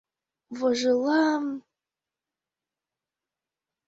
Вожылам...